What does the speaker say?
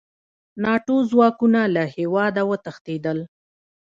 ناټو ځواکونه له هېواده وتښتېدل.